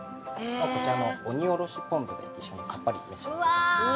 こちらの鬼おろしポン酢で一緒にさっぱりうわー！